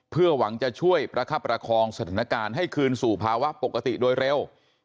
เพื่อหวังจะช่วยประคับประคองสถานการณ์ให้คืนสู่ภาวะปกติโดยเร็ว